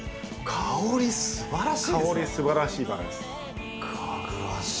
香りすばらしいバラです。